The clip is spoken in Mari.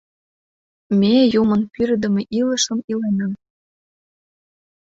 Ме Юмын пӱрыдымӧ илышым илена!